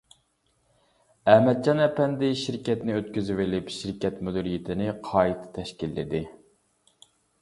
ئەمەتجان ئەپەندى شىركەتنى ئۆتكۈزۈۋېلىپ، شىركەت مۇدىرىيىتىنى قايتا تەشكىللىدى.